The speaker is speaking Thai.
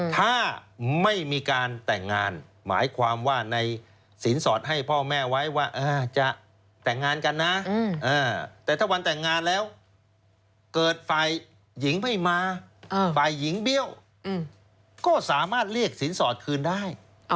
ถ้าไม่มีการแต่งงานหมายความว่าในสินสอดให้พ่อแม่ไว้ว่าจะแต่งงานกันนะแต่ถ้าวันแต่งงานแล้วเกิดฝ่ายหญิงไม่มาฝ่ายหญิงเบี้ยวก็สามารถเรียกสินสอดคืนได้